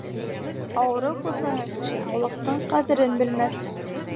Ауырыу күрмәгән кеше һаулыҡтың ҡәҙерен белмәҫ.